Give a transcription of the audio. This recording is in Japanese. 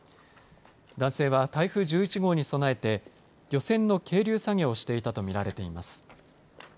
男性は台風１１号に備えて漁船の係留作業をしていたと見られています。